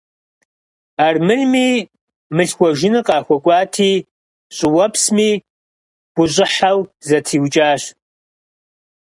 Армырми мылъхуэжыныр къахуэкӀуати, щӀыуэпсми гущӀыхьэу зэтриукӀащ.